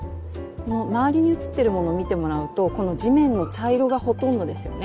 周りに写ってるものを見てもらうとこの地面の茶色がほとんどですよね。